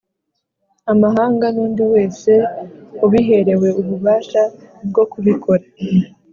Amahanga nundi wese ubiherewe ububasha bwokubikora